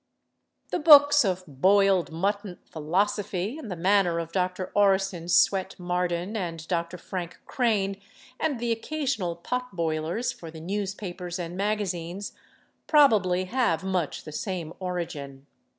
The books of boiled mutton "philosophy" in the manner of Dr. Orison Swett Marden and Dr. Frank Crane and the occasional pot boilers for the newspapers and magazines probably have much the same origin.